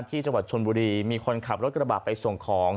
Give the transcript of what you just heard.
ที่จังหวัดชนบุรีมีคนขับรถกระบะไปส่งของ